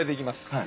はい。